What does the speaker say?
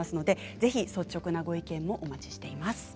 ぜひ率直なご意見もお待ちしています。